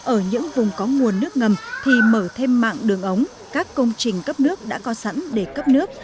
ở những vùng có nguồn nước ngầm thì mở thêm mạng đường ống các công trình cấp nước đã có sẵn để cấp nước